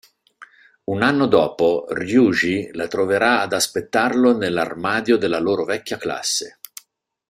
Un anno dopo, Ryūji la troverà ad aspettarlo nell'armadio della loro vecchia classe.